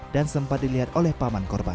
dan sempat dilihat oleh paman korban